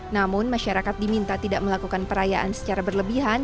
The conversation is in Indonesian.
namun masyarakat diminta tidak melakukan perayaan secara berlebihan